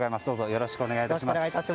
どうぞよろしくお願い致します。